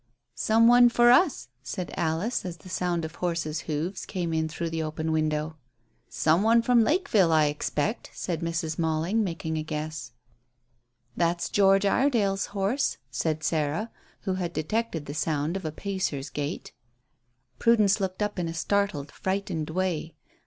"Some one for us," said Alice, as the sound of horse's hoofs came in through the open window. "Some one from Lakeville, I expect," said Mrs. Malling, making a guess. "That's George Iredale's horse," said Sarah, who had detected the sound of a pacer's gait. Prudence looked up in a startled, frightened way.